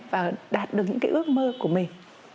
và đạt được những ước mơ của mình